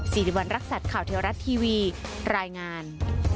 สิริวัณรักษัตริย์ข่าวเทวรัฐทีวีรายงาน